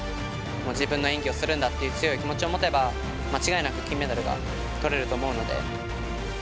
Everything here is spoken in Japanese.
自分の演技をするんだっていう強い気持ちを持てば、間違いなく金メダルがとれると思うので。